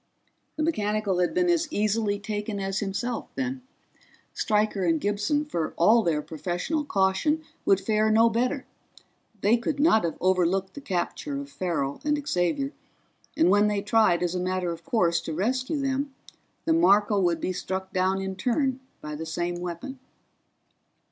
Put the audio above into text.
The mechanical had been as easily taken as himself, then. Stryker and Gibson, for all their professional caution, would fare no better they could not have overlooked the capture of Farrell and Xavier, and when they tried as a matter of course to rescue them the Marco would be struck down in turn by the same weapon.